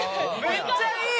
めっちゃいい！